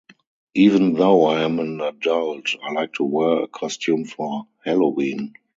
Even though I am an adult, I like to wear a costume for Halloween.